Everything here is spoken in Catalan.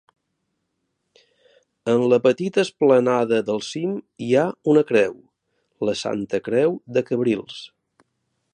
En la petita esplanada del cim hi ha una creu: la Santa Creu de Cabrils.